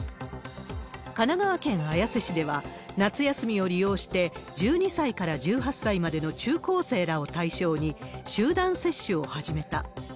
神奈川県綾瀬市では、夏休みを利用して、１２歳から１８歳までの中高生らを対象に、集団接種を始めた。